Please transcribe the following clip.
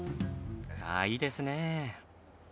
ああいいですね。